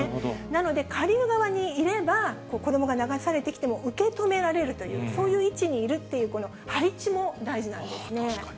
なので、下流側にいれば、子どもが流されてきても受け止められるという、そういう位置にいるっていう、配置も大事なんですね。